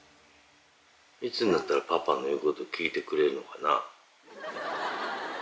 いつになったらパパの言うこと聞いてくれるのかな？